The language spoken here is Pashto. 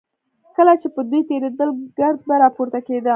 کله چې به دوی تېرېدل ګرد به راپورته کېده.